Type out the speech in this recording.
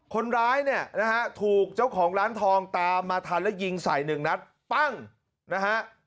คนร้ายเนี่ยนะฮะถูกเจ้าของร้านทองตามมาทันและยิงใส่หนึ่งนัดปั้งนะฮะ